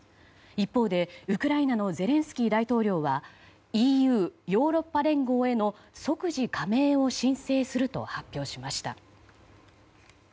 一方でウクライナのゼレンスキー大統領はＥＵ・ヨーロッパ連合への即時加盟を申請すると発表しました。